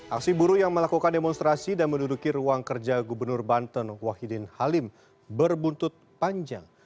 aksi buruh yang melakukan demonstrasi dan menduduki ruang kerja gubernur banten wahidin halim berbuntut panjang